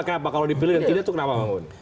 kalau dipilih nanti dia tuh kenapa bangun